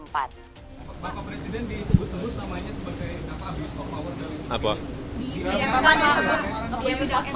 pak presiden disebut sebut namanya sebagai pihak